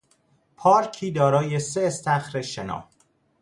پارکی دارای سه استخر شنا